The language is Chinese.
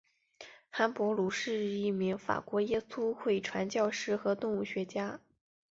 韩伯禄是一名法国耶稣会传教士和动物学家。